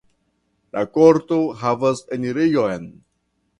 La korto havas enirejon.